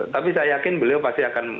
tapi saya yakin beliau pasti akan